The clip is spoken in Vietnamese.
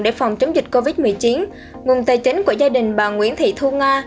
để phòng chống dịch covid một mươi chín nguồn tài chính của gia đình bà nguyễn thị thu nga